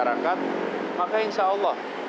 masyarakat maka insya allah